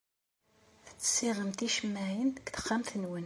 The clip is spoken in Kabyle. Ad tessiɣem ticemmaɛin deg texxamt-nwen.